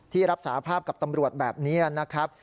รับสาภาพกับตำรวจแบบนี้นะครับ